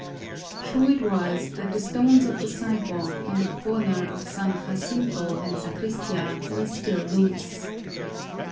True it was that the stones of the sidewalk on the corner of San Jacinto and Sacristia were still loose.